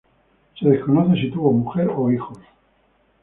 Se desconoce si tuvo mujer o hijos.